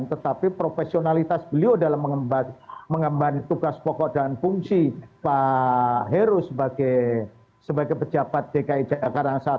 tetapi profesionalitas beliau dalam mengemban tugas pokok dan fungsi pak heru sebagai pejabat dki jakarta i